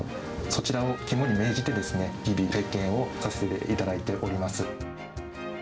そちらを肝に銘じて日々、点検をさせていただいております。